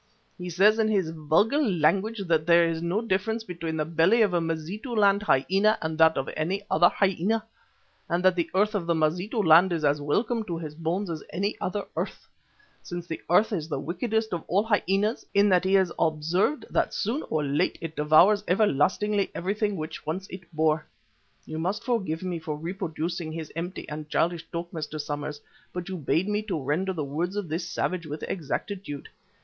He says in his vulgar language that there is no difference between the belly of a Mazitu land hyena and that of any other hyena, and that the earth of Mazitu land is as welcome to his bones as any other earth, since the earth is the wickedest of all hyenas, in that he has observed that soon or late it devours everlastingly everything which once it bore. You must forgive me for reproducing his empty and childish talk, Mr. Somers, but you bade me to render the words of this savage with exactitude.